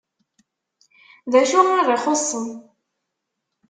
D acu i ɣ-ixuṣṣen?